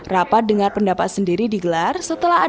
rapat dengar pendapat sendiri digelar setelah ada